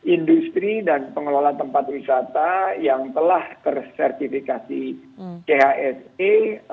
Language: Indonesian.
industri dan pengelolaan tempat wisata yang telah tersertifikasi khse